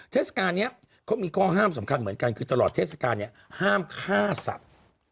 เทศกาลนี้เขามีข้อห้ามสำคัญเหมือนกันคือตลอดเทศกาลเนี่ยห้ามฆ่าสัตว์